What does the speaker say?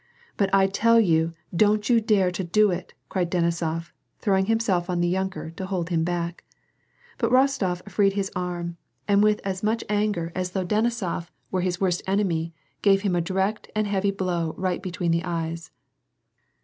" But I tell you, don't you dare to do it !" cried Denisof, throwing himself on the yunker, to hold him back. But Bostof freed his arm; and with as much anger as though Denisof were WAR AND PEACE. 165 his worst enemy gave him a direct and heavy blow right be tween the eyes.